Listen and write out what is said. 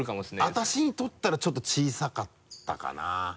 私にとったらちょっと小さかったかな？